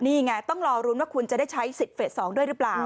นี่ไงต้องรอรุ้นว่าคุณจะได้ใช้สิทธิเฟส๒ด้วยหรือเปล่า